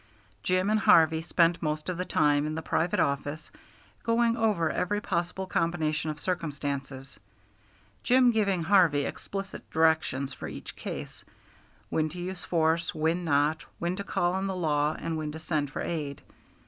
Jim and Harvey spent most of the time in the private office, going over every possible combination of circumstances, Jim giving Harvey explicit directions for each case when to use force, when not, when to call on the law, and when to send for aid.